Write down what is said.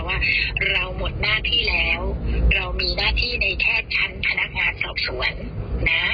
ว่าเรามีหน้าที่แล้วในแค่ชั้นพนักงานสอบสวน